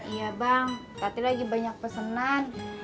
iya bang tadi lagi banyak pesenan